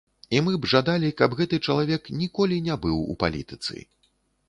І мы б жадалі, каб гэты чалавек ніколі не быў у палітыцы.